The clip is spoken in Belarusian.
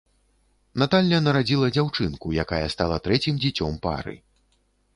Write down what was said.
Наталля нарадзіла дзяўчынку, якая стала трэцім дзіцём пары.